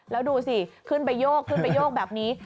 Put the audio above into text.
แล้วดูสิขึ้นไปโยกขึ้นไปโยกแบบนี้